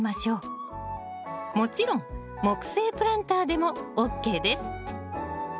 もちろん木製プランターでもＯＫです。